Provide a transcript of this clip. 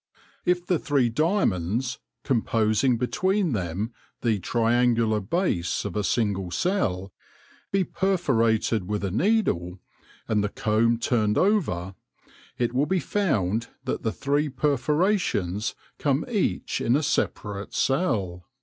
If the three diamonds, composing between them the triangular base of a single cell, be perforated with a needle, and the comb turned over, it will be found that the three perfora tions come each in a separate cell.